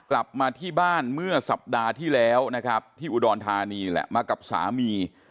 กลับมาที่บ้านเมื่อสัปดาห์ที่แล้วนะครับที่อุดรธานีนี่แหละมากับสามี